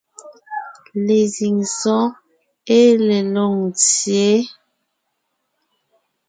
Lezíŋ sɔ́ɔn ée le Loŋtsyě,